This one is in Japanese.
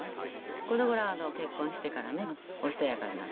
この頃は結婚してからねおしとやかになって。